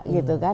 layak gitu kan